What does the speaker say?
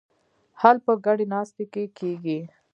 حل په ګډې ناستې کې دی.